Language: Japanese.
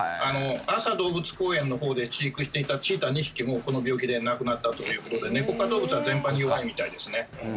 安佐動物公園のほうで飼育していたチーター２匹もこの病気で亡くなったということでネコ科動物は全般に弱いみたいですね。